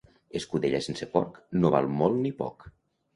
Escudella sense porc no val molt ni poc.